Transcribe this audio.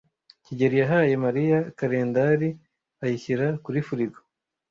kigeli yahaye Mariya kalendari ayishyira kuri firigo.